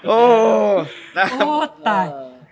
โอ้ตาย